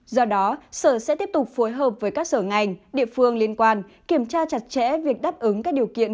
do đó sở sẽ tiếp tục phối hợp với các sở ngành địa phương liên quan kiểm tra chặt chẽ việc đáp ứng các điều kiện